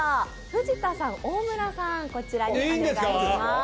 藤田さん、大村さん、こちらにお願いします。